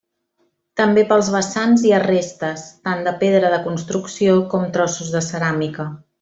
També pels vessants hi ha restes, tant de pedra de construcció com trossos de ceràmica.